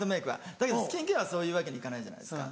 だけどスキンケアはそういうわけにいかないじゃないですか。